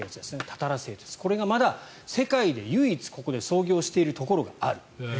たたら製鉄これがまだ世界で唯一ここで操業しているところがある。